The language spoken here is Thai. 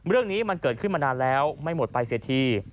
เรื่องนี้มันเกิดขึ้นมานานแล้วไม่หมดไปเสียที